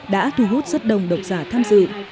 đã thu hút rất đông đọc giả tham dự